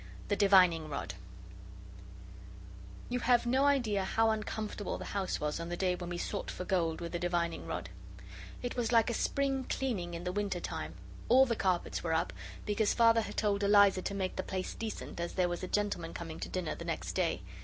THE DIVINING ROD You have no idea how uncomfortable the house was on the day when we sought for gold with the divining rod. It was like a spring cleaning in the winter time. All the carpets were up, because Father had told Eliza to make the place decent as there was a gentleman coming to dinner the next day.